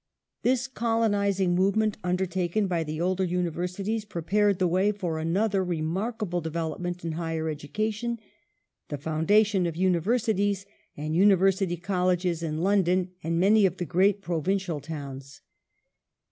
^ This colonizing movement undertaken by the older Universities prepared the way for another remarkable development in higher education : the foundation of Universities and University Colleges in London and many of the great provincial towns.